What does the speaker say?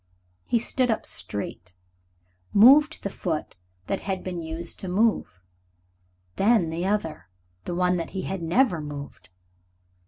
He stood up straight, moved the foot that he had been used to move then the other, the one that he had never moved.